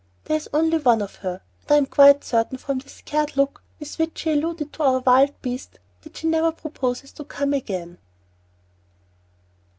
There is only one of her, and I am quite certain, from the scared look with which she alluded to our 'wild beasts,' that she never proposes to come again."